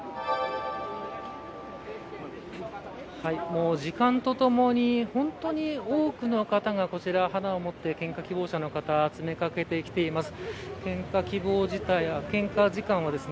もう時間とともに本当に多くの方がこちら、花を持って献花希望者の方が詰め掛けてきています。